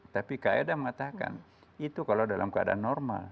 tapi kak edang mengatakan itu kalau dalam keadaan normal